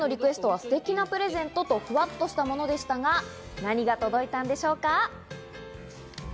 ちーちゃんのリクエストは「ステキなプレゼント」と、ふわっとしたものでしたが、何が届いたんでしょうか？